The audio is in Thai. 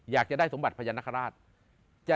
อยากจะได้สมบัติพญานาคาราช